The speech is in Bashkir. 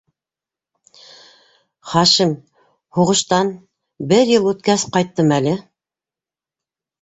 Хашим... һуғыштан... бер йыл үткәс ҡайттымы әле...